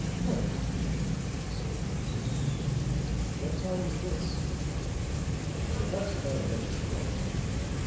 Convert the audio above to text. "Humph," said Pendleton, "what time was this?" "Perhaps about eleven o'clock.